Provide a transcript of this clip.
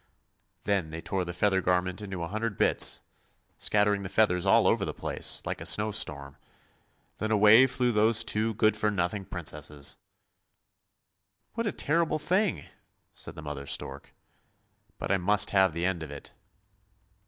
Then they tore the feather garment into a hundred bits, scattering the 278 ANDERSEN'S FAIRY TALES feathers all over the place, like a snowstorm; then away flew those two good for nothing Princesses." "What a terrible thing," said mother stork; "but I must have the end of it."